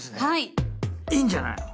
いいんじゃないの？